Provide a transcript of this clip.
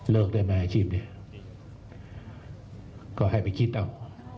ได้ไหมอาชีพนี้ก็ให้ไปคิดเอา